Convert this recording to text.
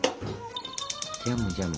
ジャムジャム